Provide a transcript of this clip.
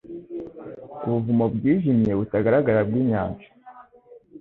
Ubuvumo bwijimye butagaragara bwinyanja: